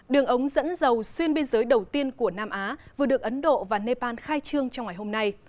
đường ống dẫn dầu xuyên biên giới đầu tiên của nam á vừa được ấn độ và nepal khai trương trong ngày hôm nay